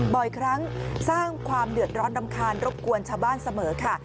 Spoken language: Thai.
บ่อยครั้งสร้างความเดือดร้อนรำคาญรบกวนชาวบ้านเสมอค่ะ